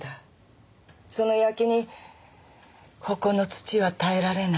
その焼きにここの土は耐えられない。